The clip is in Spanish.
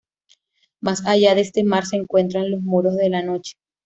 Más allá de este mar se encuentran los "Muros de la Noche".